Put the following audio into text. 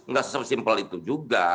enggak sesimpel itu juga